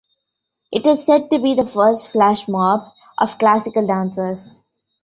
It is said to be the first flashmob of classical dancers.